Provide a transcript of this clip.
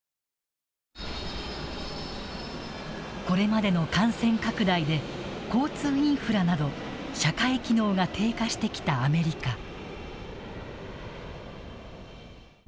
これまでの感染拡大で交通インフラなど社会機能が低下してきたアメリカ。